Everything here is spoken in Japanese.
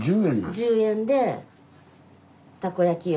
１０円でたこ焼きを。